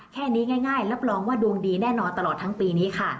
แค่นี้ง่ายรับรองว่าดวงดีแน่นอนตลอดทั้งปีนี้ค่ะ